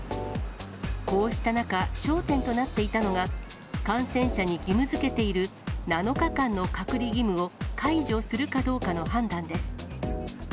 こうした中、焦点となっていたのが、感染者に義務づけている７日間の隔離義務を解除するかどうかの判断です。